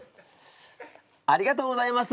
ありがとうございます。